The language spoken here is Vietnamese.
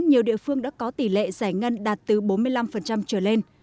nhiều địa phương đã có tỷ lệ giải ngân đạt từ bốn mươi năm trở lên